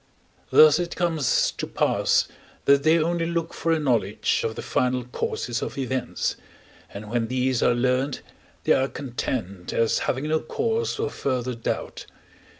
Thus it comes to pass that they only look for a knowledge of the final causes of events, and when these are learned, they are content, as having no cause for further doubt.